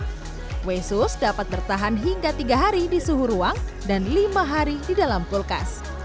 kue sus dapat bertahan hingga tiga hari di suhu ruang dan lima hari di dalam kulkas